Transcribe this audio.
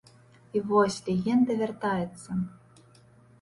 І вось, легенда вяртаецца!